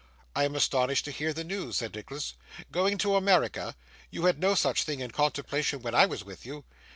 'I am astonished to hear this news,' said Nicholas. 'Going to America! You had no such thing in contemplation when I was with you.